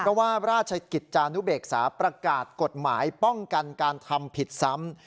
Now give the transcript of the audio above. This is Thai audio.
เพราะว่าราชกิจจานุเบกษาประกาศกฎหมายป้องกันการทำผิดซ้ำ